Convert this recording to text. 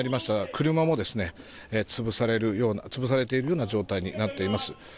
車も潰されているような状態になっています。